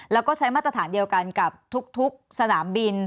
แล้วก็ใช้มาตรฐานเดียวกันกับทุกสนามบิน